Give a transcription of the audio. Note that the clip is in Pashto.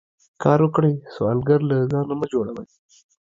کار وکړئ سوالګر له ځانه مه جوړوئ